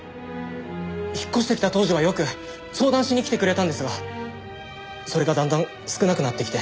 引っ越してきた当時はよく相談しに来てくれたんですがそれがだんだん少なくなってきて。